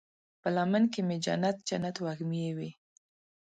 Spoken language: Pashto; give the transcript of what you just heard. په لمن کې مې جنت، جنت وږمې وی